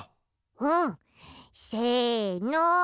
うん！せの。